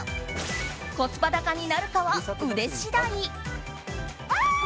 コスパ高になるかは腕次第。